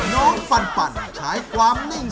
น้องปันใช้ความนิ่ง